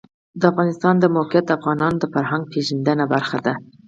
د افغانستان د موقعیت د افغانانو د فرهنګي پیژندنې برخه ده.